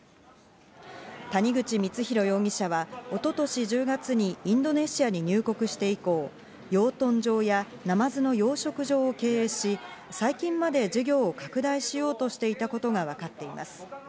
谷口光弘容疑者は一昨年１０月にインドネシアに入国して以降、養豚場やナマズの養殖場を経営し、最近まで事業を拡大しようとしていたことがわかっています。